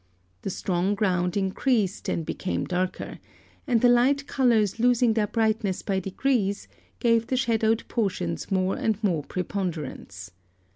The strong ground increased and became darker, and the light colours losing their brightness by degrees, gave the shadowed portions more and more preponderance.